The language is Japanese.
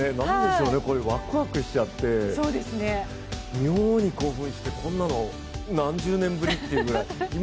わくわくしちゃって、妙に興奮して、こんなの何十年ぶりっていうぐらい。